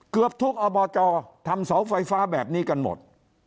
เกือบทุกอบจทำเสาไฟฟ้าแบบนี้กันหมด